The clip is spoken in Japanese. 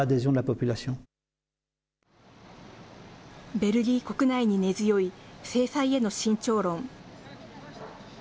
ベルギー国内に根強い制裁への慎重論。